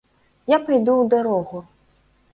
Я пайду ў дарогу.